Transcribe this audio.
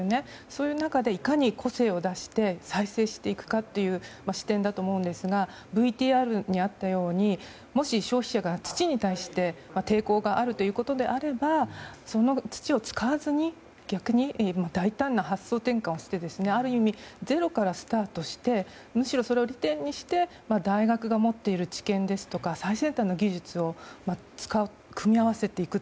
そういう中で、いかに個性を出して再生していくかという視点だと思いますがＶＴＲにあったようにもし消費者が土に対して抵抗があるということであればその土を使わずに逆に大胆な発想転換をしてある意味、ゼロからスタートしてむしろ、それを利点にして大学が持っている知見ですとか最先端の技術を使い組み合わせていく。